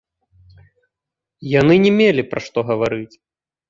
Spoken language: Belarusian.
Яны не мелі пра што гаварыць.